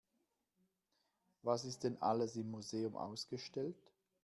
Was ist denn alles im Museum ausgestellt?